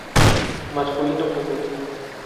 Masculino, femenino.